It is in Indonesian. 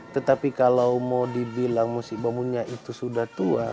tetapi kalau mau dibilang musik bambunya itu sudah tua